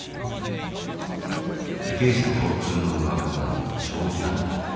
受刑者共通の娯楽は将棋だった。